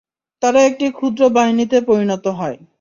তারা একটি ক্ষুদ্র বাহিনীতে পরিণত হয়।